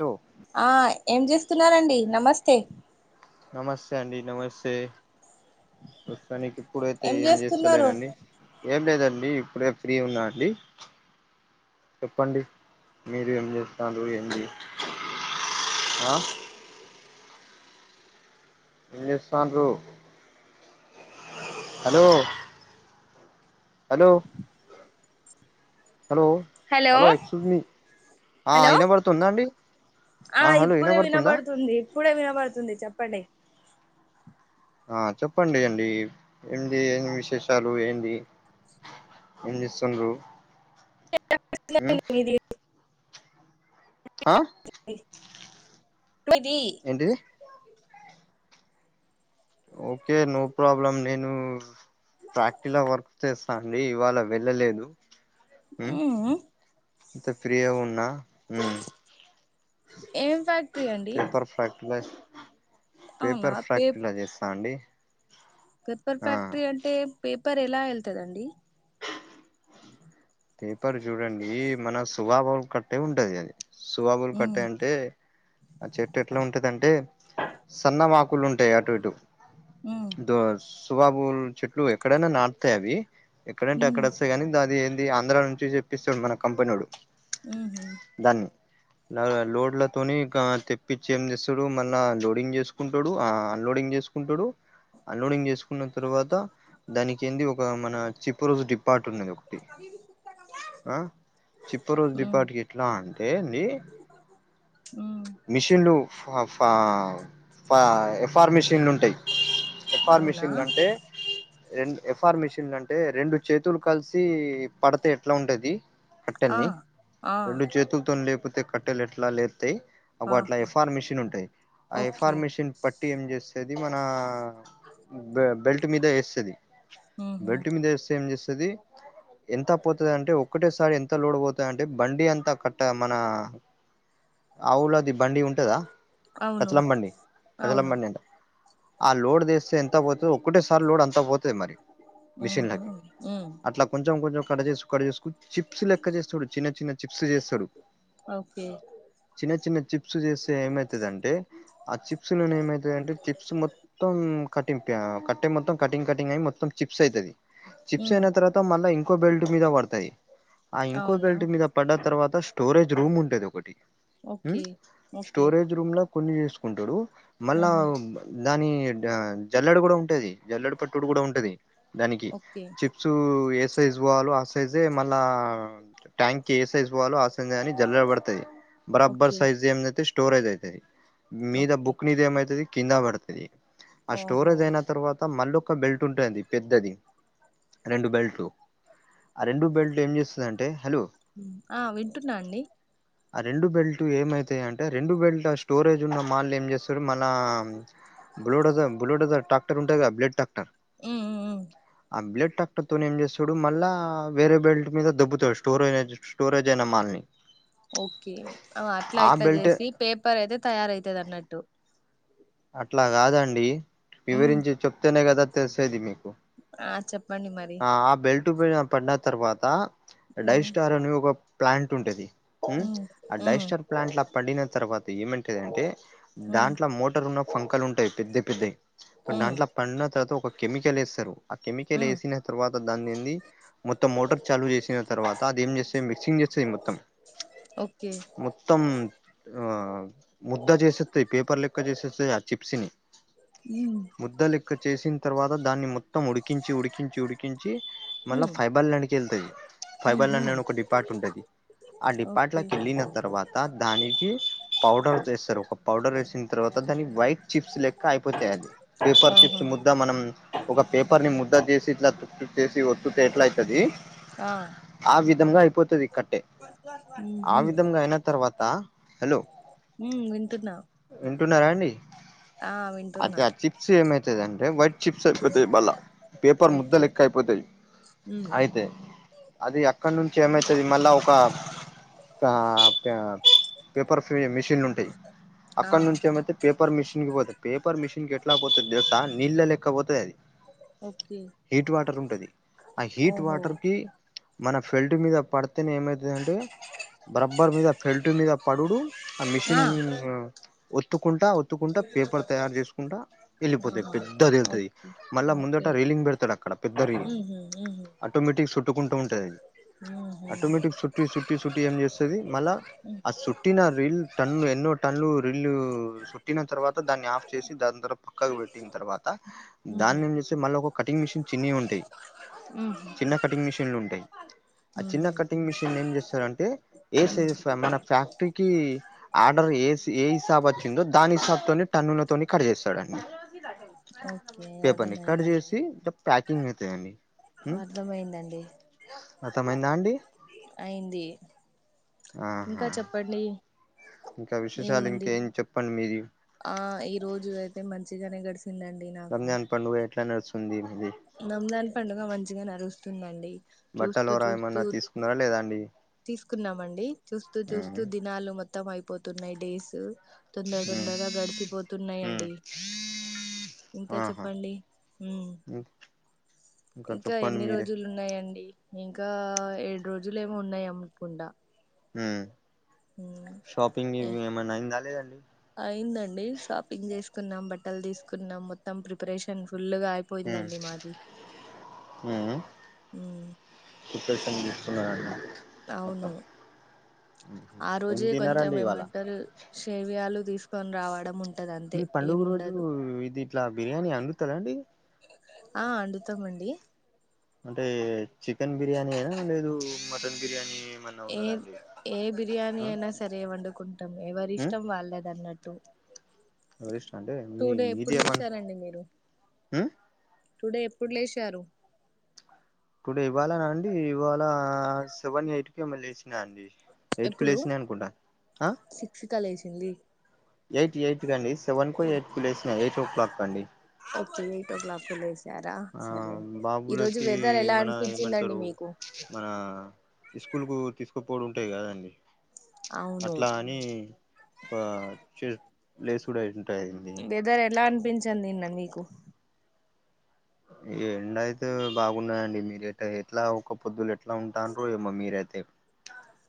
Hello ఆ ఎమ్ చేస్త స్తున్నరండి నమస్తే నమస్తే అండీ నమస్తే కానీ ఇప్పుడైతే ఏం చేస్తలేనండి ఏం లేదండి డి ఇప్పుడే ఫ్రీ ఉన్నా అండీ చెప్పండి మీరు ఏం చేస్తాతండ్రు ఎంధీ ఆ ఎమ్ చెస్తాన్రు hello hello hello hello excuse me ఆ హలో ఇనబడుతుందా అండి ఆ హలో ఇప్పుడే ఇనబడుతుందా వినబడుతుంది ఇప్పుడే వినబడుతుంది చెప్ప పండి ఆ చెప్పండి అండి ఏది ఏమి విశేషాలు ఏంది ఏం చెస్థండ్రు [unintelligible] వినిపిస్తాత లేదండి మీది ఆ అది ఏంటిది ఓకే నో ప్రాబ్లం నేను ఫ్యాక్టరీలో వర్క్ చేస్తాను అండి ఇవాళ వెళ్ళలేదు ఉమ్ అంత ఫ్రీగా ఉన్నా ఉమ్మ్ ఏం ఫ్యాక్టరీ అండీ ఫ్యాక్టలా పేపర్ ఫ్యాక్ట్రీ ల చేస్తా అండి పేపర్ ఆ ఫ్యాక్టరీ అంటే పె పెపర్ ఎలా వెల్తదండి పేపర్ చూడండీ మన సువాబుల్ కట్టే ఉంటుంది అది సువాబులు ఉమ్ కట్టె అంటే ఆ చెట్టు ఎట్లా ఉంటధాంటే సన్న మాకు క్కులు ఉంటయి అటు ఇటు ఉమ్ ధో అస్ సువాాబు చెట్లు ఎక్కడైనా నాటుతాయి అవి ఎక్కడంటే ఉమ్ అక్కడ వస్తాయి కానీ అది ది ఆంధ్రా నుంచి చెప్పిస్తాడు మన కంపినోడు ఉ లోడ్ల తోని హ తెప్పిచ్చి ఏం చేస్తాడు మళ్ళ లోడింగ్ చేసుకుంటాడు అన్లోడింగ్ చేసుకుంటాడు అన్లోడింగ్ చేసుకు న్న తర్వాత దానికి ఏంది ఒక మన చీప్ చిప్రూల్ డిపార్ట్ ఉందొకటి ఆ చిప్పారుల్ ఉమ్ డిపార్ట్ ఎట్లా అంటే అండి ఉమ్ మిషన్లు పాా ఎఫ్ఆర్ మెషిన్లు ఉంటాయి ఎఫ్ఆర్ అవునా మెషన్లు అంటే రెం ఎఫ్ఆర్ మిషిన్లు అంటే రెండు చేతులు కలిసి పడతే ఎట్లా ఉంటది ఆ కట్టని ఆ రెండు చేతులతో లే లేపోతే కట్టెలు ఎట్లా లే తాయి అగ్గో అట్లా ఆహా ఎఫ్ఆర్ మెషిన్ ఉంటాయి ఆ ఓకే ఎఫ్ఆర్ మెషన్ పట్టి ఏం చేస్త ది మన బె బెల్ట్ మీద వేస్తుది ఉహు బెల్టు మీద వేస్తే సది ఎంత పోతుంది అంటే ఒక్కటేసారి ఎంత లోడ్ పోతుందంటే బండి అంతా కట్ట మన ఆవులది బండి ఉంటందా అవును కచ్చలంబండి అవును కచ్చలంబండి అంట ఆ లోడ్ తీస్తే ఎంత పోతు ఒక్కటే సారి లోడ్ అంత పోతు తది మరి మిషన్ ల ఉహు కి ఉమ్ అట్లా కొం కొంచం క చేసు క చేసుకు చిప్స్ లెక్క చేస్తాడు చిన్న చిన్న చిప్స్ చేస్తాడు ఓకే చిన్న చిన్న చిప్స్ చేస్తే ఏమైతదంటే ఆ చిప్స్ లో ఏమైతాంటే చిప్స్ మొత్తం కటి కట్టే మొత్తం కటింగ్ కటింగ్ అయి మొత్తం చిప్స్ అవుతంది చిప్స్ ఉమ్ అయిన తర్వాత మళ్ళా కో బెల్ట్ మీద వడతాయి ఆ ఇంకో అవునా బెల్ట్ మీద పడ్డ తర్వాత స్టోరేజ్ రూమ్ ఉంటది ఒకటి ఓకే ఓకే స్టోరేజ్ రూమ్ లో కొన్ని చేసుకుంటాడు మళ్ళా ఉహు దాని డ జల్లడ కూడా ఉంటది జల్లడ పట్టుడు కూడా ఉంటది దానికి ఓకే చిప్స్ ఏ సైజ్ వాలో ఆ సైజ్ ఏ మళ్ళ ట్యాంక్ ఏ సైజ్ వాలొ ఆ సంధని జల్రబడుతంది బరాబర్ ఓకే సైజ్ ఎం జెతాయ్ స్టోరేజ్ అయితయి మీద ఓకే బుక్ నీది ఏమైతది కింద పడుతది ఆ ఓహో స్టోరేజ్ అయిన తర్వాత మళ్ళో ఒక బెల్ట్ ఉంటంది పెద్దది రెండు బెల్ట్ లు ఆ రెండు బెల్ట్ ఏం చేస్తది అంటే హలో ఊ ఆ వింటున్నా అండి ఆ రెండు బెల్ట్ ఏమైతాయి అంటే రెండు బెల్ట్ స్టోరేజ్ ఉన్న మాళ్లు ఏం చేస్తారు మన బులోడజర్ బులోడజర్ టాక్టర్ ఉంటుంది కదా బ్లడ్ టాక్టర్ ఊ ఊ ఊ బ్లడ్ టాక్టర్ తోని ఏం జెసర్ చూడు మళ్ళా వేరే బెల్ట్ మీద దొబ్బుతడు స్టోరే స్టోరేజ్ అయిన మల్ని ఓకే అట్లా ఇట్లా బెల్ట్ చేసి పేపర్ అయితే తయారయితది అన్నట్టు అట్లా కాదండి ఉమ్ వివరించి చెప్తేనే కదా తెలుసదీ మీక్ ఆ చెప్పండి మరి ట్టుబిన పడిన తర్వాత అడై ఉమ్ స్టార్ అని ఒక ప్లాంట్ ఉంటది ఉ ఉమ్ ఆ ఉమ్ డైస్టర్ ప్లాంట్ లా పడిన తర్వాత ఏమంటదంటే ఉమ్ దాంట్ల మోట్ ఉన్న పంకాలు ఉంటాయి పెద్ద పెద్ద ఉమ్ దాంట్లా పన త కెమికల్ వేస్తారు ఆ కెమికల్ ఉమ్ వేసిన తర్వాత దాన్ని ఏంది మొత్తం మోటార్ చాలు చేసిన తర్వాత అది ఏం చేస్తంది మిక్సింగ్ చేస్తుంది మొత్తం ఓకే మొత్తం ఆ ముద్ద చేసస్తాయి పేపర్ల ఎక్క చేసేస్తే ఆ చిప్స్ని ఉమ్ ముద్దలెక్క చేసిన తర్వాత దాన్ని మొ మొత్తం ఉడికించి ఉడికించి ఉడికించి మళ్ళీ ఉమ్ ఫైబర్లనికి వెళ్తుంది ఉహు ఫైబర్లన్ని ఒక డిపాట్ ఉంటది ఆ డిపాట్ ఓకే కి వెళ్ళిన తర్వాత దానికి పౌడర్ వేస్తారు ఒక పౌడర్ వ తర్వాత దాని వైట్ చిప్స్ లెక్క అయిపోతంది యాలి పేపర్ ఆహా చిప్స్ ముద్ద మనం ఒక పేపర్ ని ముద్ద చేసి ఇట్లా చేసి ఒత్తుతే ఎట్ల అవుతుది ఆ విధంగా అయిపోతుది అయిన తర్వాత హలో ఉమ్ వింటన్నా వింటున్నారా అండి వింటున్నా అయితే ఆ చిప్స్ ఏమైతుదింటే వైట్ చిప్స్ అయిపోతాయి వాళ్ళ పేపర్ ముద్ద ఓకే లెక్క అయిపోతాయి ఉమ్ అయితే అది అ అక్కడ నుంచి ఏమైతుది మళ్ళా ఒక పేపర్ ఫీ మిషిన్లు ఉంటాయి ఆ అక్కడ నుంచి ఏమైతే పేపర్ మిషన్ కి పోత పేపర్ మిషన్ కి ఎట్లా పోతుంది నీళ్ళ లెక్కపోతుంది అది ఓకే హీట్ వాటర్ ఉంటది ఆ హీట్ ఓహో వాటర్ కి మ ఫీల్డ్ మీద పడు అనే ఏమైతుందంటే రబ్బర్ మీద ఫెల్ట్ మీద పడుడు ఆ మిషన్ ఒతు కుంటా ఒత్తుకుంట పేపర్ తయారు చేసుకుంటా వెళ్ళిపోతాంది ఆహా పెద్దది వెళ్తుంది ఓకే మళ్ళ ముందట ఓకే రీలింగ్ పెడతాడు అక్కడ పెద్ద రీల్ ఉహు ఉహు ఆటోమేటిక్ చుట్టుకుంటూ ఉంటది అది ఉహు ఆటోమేటిక్ చుట్టి చట్టి చట్టి ఏం చేస్తుంది మళ్ళా ఉ ఆ చుట్టిన రీల్ టన్న ఎన్నో టన్లు రీల్ చుట్టిన తర్వాత దాన్ని ఆఫ్ చేసి దాని త పక్కకు పెట్టిన తర్వాత ఉహు దాన్ని ఏం చేస్తే మళ్ళ ఒక కటింగ్ మిషన్ చిన్నవి ఉంటాయి ఉహు చిన్న కటింగ్ మిషన్లు ఉంటాయి ఆ చిన్న ఉహు కటింగ్ మిషన్ ఏం చేస్తారుంటే ఏ సైజ మన ఫ్యాక్టరీ కి ఆర్డర్ ఏ ఏ [inaudible] తని టన్నులతోనీ కట్ చేస్తారండి ఓకే పేపర్ని కట్ అర్థమైందండి చేసి ప్యాకింగ్ అవుతాయండి అర్థమైందండి అర్థమైందా అండి అయింది ఆహా ఇంకా చెప్పండి ఇంకా విశేషాలు ఏముంది ఇంకేం చెప్పండి ఆ ఈ రోజు అయితే మంచిగానే గడిస్త వచ్చిందండి నాకు రంజాన్ పండుగ ఎట్లా నడుస్తుంది మీది రమజాన్ పండుగ మంచిగా న తుందండి బట్టలర ఏమన్నా తీసుకున్నారా లేదాండి తీసుకున్నామండి చూస్తూ చూస్తూ దినాలు మ మత్తం అయిపోతున్నాయి డేస్ తొందర మ్మ్ తొందరగా మ్మ్ గడిసిపోతున్నాయండి ఇంకా ఆహా చెప్పండి ఇంకా చెప్పండి ఎన్ని మీరే రోజులు ఉన్నాయండి ఇంకా ఇంకా ఏడు రోజులు ఏమో ఉన్నాయ నకుండ హ అయిందా లేదండి అయిందండి షాపింగ్ చేసుకు తీకున్నాం బట్టలు తీసుకున్నాం మొత్తం ప్రిపరేషన్ ఫుల్లుగా మ్మ్ అయిపోయిందండి మాది ఇకషం విసుస్తున్నారు అ అవును ఆ ఏం రోజే కొంచెం తిన్నారండి ఇవాళ ఏమంటర్ సేవయాలు తీ తీసుకొని రావడం ఉంట మీ పండుగ రోజు ఇది ఇట్లా బిర్యానీ వండుతారా అండి ఆ అండుతామండి అంటే చికెన్ బిర్యానీ అనా లేదు మటన్ దమ్ముబిర్యానీ ఏ ఏ బిర్యానీ అయినా సరే వండుకుంటాం ఎవరి ఇష్టం వాళ్ళద అన్నట్టు ఎరి ఇష్ట అంటే మీ టుడే మీది ఎప్పుడు ఏమన్ లేసారండి మీరు ఉమ్ టుడే ఎప్పుడు లేచారు టుడే ఇవాళనాండి ఇవాళ సెవెన్ ఎయిట్ కి ఏమో లేసిన అండి ఎయిట్ కు ఎప్పుడు లేసినాయి అనుకుంటా అ సిక్స్ కా లేసింది ఎయిట్ ఎయిట్ క అండి సెవెన్ కు ఎయిట్ కు లే వసినాయి ఎయిట్ ఓ క్లాక్ అండి ఓకే ఎయిట్ ఓ క్లాక్ కు లేసారా ఆ సరే ఈ రోజు బాబులకి వెదర్ ఎలా మన అనిపించిందండి ఏమంటారు మీకు మన ఇస్కూల్ కు తీసుక ఈప్పుడు ఉంటాయి కదండి అవును అట్లా అని క చే లేసుడ్ అయింది వెదర్ ఎలా అనిపించంంది నిన్న నీకు ప్పు ఈ ఎండ అయితే బాగున్నాయండి మీరు ఇట్టా ఎట్లా ఒక పొద్దులు ఎట్లా ఉంటండ్రో ఏమో మీరైతే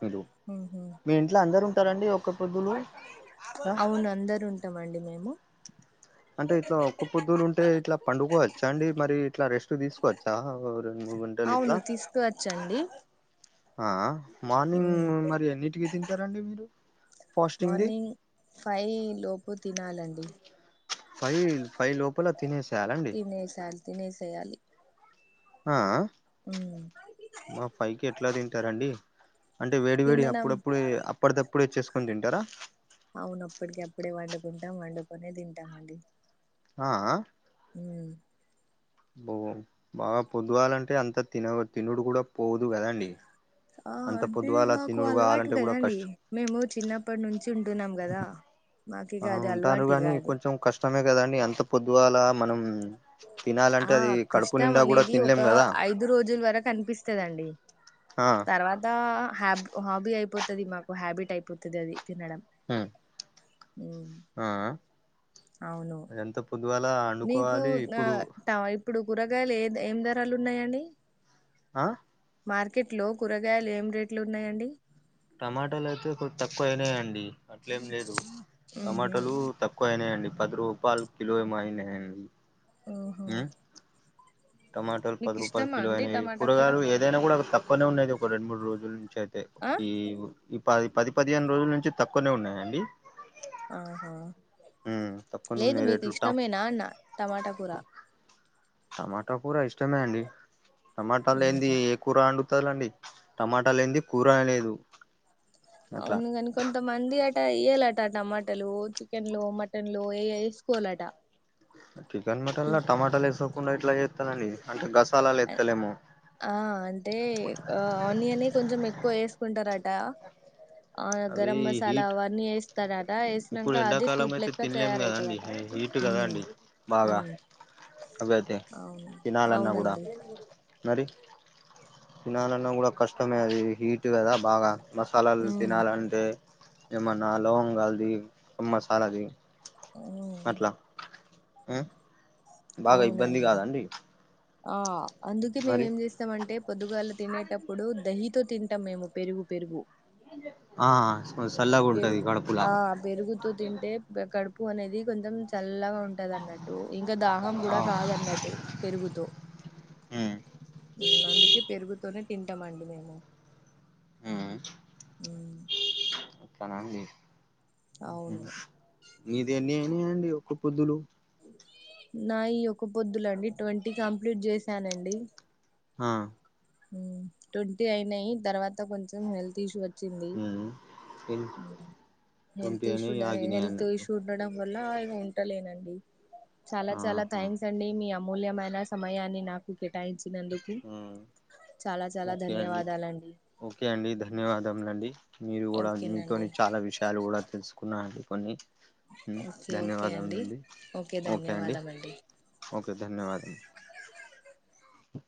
మీరు మ్హూ. మీ ఇంట్లో అందరూ ఇస్తారండి ఒక్క పొద్దులు అవును అందరు ఉంటామండి మేము అంటే ఇట్లా ఒక్క పొద్దులు ఉంటే ఇట్లా పండుకోవచ్చ అండి మరి ఇట్లా రెస్ రెస్ట్ తీసుకొచ్చా రెండు మూడు గంటలు ఇట్లా అవును తీసుకువచ్చండి ఆ ఆ మార్నింగ్ ఉమ్, మరి ఎన్నిటికి తింటారండి మీరు ఫాస్టింగ్ ది మార్నింగ్ ఫైవ్ లోపు తినాలండి ఫై ఫై లోపల తినేసి తినేసా తినేసేయాలి ఆ హుమ్ మా ఫైవ్ కి ఎట్లా తింటారండి అంటే వేడి వేడి తినడం అప్పుడప్పుడే అప్పటి దప్పుడే చేసు వండుకొని తింటారా అవునప్పటికప్పుడే వండుకుంటాం వండుకొనే తింటామండి ఆ అ హుమ్ ఓ బాగా పొద్దుగాల అంటే అంత తిన తినుడు కూడా పోదు కదండి ఆ అంత అంటే పొద్దుగాల మాకు తినుడు అలవాటు కావాలంటే కూడా కదండి కష్టం మేము చిన్నప్పటి నుంచి ఉంటున్నాం కదా మాకు ఇక ఆ అది ఉంటారు అలవాటు ఇక కానీ అది కొంచెం కష్టం కష్టమే కదండి అంత పొద్దుగాలా మనం తినాలంటే ఆ అది కడుపు కష్టం నిండా కూడా అనేది ఒక తినలేం కదా ఐదు రోజుల వరకు అనిపిస్తదండి ఆ తర్వాతా హాబ్ హాబీ అయిపోతది మాకు హ్యాబిట్ అయిపోతది అది తినడం హుమ్ ఉ ఆ అ ఎంత పొద్దుగాల నీకు అండుకోవాలి ఆ ఇప్పుడు ట ఇప్పుడు కూరగాయలు ఏ ఏం ధరలు ఉన్నాయండి ఆ మార్కెట్లో కూరగాయలు ఏం రేట్లు ఉన్నాయండి టమాటాలు అయితే కొద్ తక్కువ అయినాయండి అట్లేం లేదు ఉహు టమాటాలు తక్కువ అయినాయండి పది రూపాల్ కిలో ఏమో అయినాయండి ఓహో మ్మ్ టమాటాలు మీకు పది రూపాయల ఇష్టమా కిలో అండి అయినావి టమాటా కూర కూరగాయలు ఏదైనా కూడా తక్కువనే ఉన్నాది ఒక రెండు మూడు రోజుల నుంచి అయితే ఆ ఈ ఈ పది పది పదిహేను రోజుల నుంచి తక్కువనే ఉన్నాయండి ఆహా తక్కువనే లేదు ఉన్నాయి మీకు రేట్లు ట ఇష్టమేనా అన్న టమాటా కూర టమా ట కూర ఇష్టమే అండి టమాటాలేంది ఉహు ఏ కూర అండి తలండి టమాటా లేంది కూర లేదు అట్లా అవును కాని కొంతమంది అ ట ఎయ్యలట టమాటాలు చికెన్లో మటన్లో ఏ ఏసుకోలట చికెన్ మటన్లా టమాటాలు ఏసోస్ కుండా ఎట్లా చేత్తారండి అంటే గస్ ఆ అంటే ఆనియనే కొంచెం మెత్ క్కువ ఏసుకుంటరట ఆ అవి గరం మసాలా హీట్ అవన్నీ ఏస్తాడట ఏసినంక ఇప్పుడు అదే ఎండాకాలం సూప్ అయితే లెక్క తినలేము కదండి తయారవుతుందట హీట్ కదా మ్మ్ అండి బాగా మ్మ్ అవి అయితే అ తినాలన్నా కూడా అవునండి మరి తినాలన్నా కూడా కష్టమే అది హీట్ కదా బాగా మసాలాల్ ఉమ్ తినాలంటే ఏమన్నా లవంగాల్ది ఆ మసాలాది ఉమ్ అట్ల ఆ బాగా ఇబ్బంది అవునండి కాదండి ఆ అందుకే మేము మరి ఏం చేస్తమంటే పొదుగాల్లే తినేటప్పుడు దహితో తింటాం మేము పెరుగు పెరుగు ఆ చల్లగా ఉంటది పెరుగు కడుపులా ఆ పెరుగుతో తింటే బె కడు పు అనేది కొంచెం చల్లగా ఉంటదన్న ట్టు ఇంకా దాహం ఆ కూడా కాదన్నట్టు పెరుగుతో ఉమ్ అందుకే మ్మ్ పెరుగుతోనే తింటామండి మేము మ్మ్ మ్మ్ కనాంది మీది ఎన్ని ఉన్నయ అండి ఒక పొద్దులు నా ఈ ఒక పొద్దులండి ట్వంటీ కంప్లీట్ చేసానండి ఆ ట్వంటీ అయినయి తర్వాత కొంచెం హెల్త్ ఇష్యూ వ చ్చింది ఉమ్ ట్వంటీ హెల్త్ ఇష్యూ అయినాయి డై ఆగినాయి హెల్త్ అన్నట్టు ఇష్యూ ఉండడం ఇవల్ల ఇవి ఉంటలేనండి చాలా చాలా ఆహా థ్యాంక్స్ అండి మీ అమ్మ అమూల్యమైన సమయాన్ని నాకు కేటాయించి నందుకు ఉమ్ ఓకే అండి ఓకే అండి ధన్యవాదములు అండి మీరు కూడా ఓకేనండి మీతోని చాలా విషయాలు కూడా తెలుసుకున్నండి కొన్ని హు ఓకే ఓకే అండి ధన్యవాదములండి ఓకే అండి ఓకే ధన్యవాదము